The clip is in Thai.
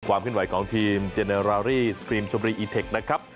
ขึ้นไหวของทีมเจเนอรารี่สกรีมชมรีอีเทคนะครับ